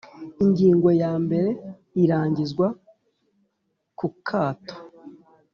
Ingingo ya mbere Irangizwa ku kato